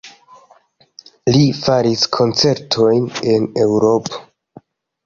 Li faris koncertojn en Eŭropo.